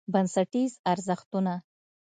بنسټیز ارزښتونه: